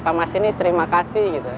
pak masinis terima kasih gitu